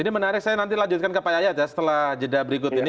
ini menarik saya nanti lanjutkan ke pak yayat ya setelah jeda berikut ini